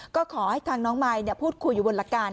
ก็ขอให้ทางน้องมายพูดคุยอยู่บนหลักการ